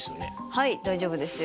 はい大丈夫ですよ。